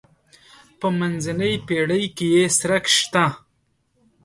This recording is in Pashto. په منځنۍ پېړۍ کې یې څرک شته.